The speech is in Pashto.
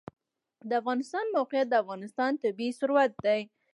د افغانستان موقعیت د افغانستان طبعي ثروت دی.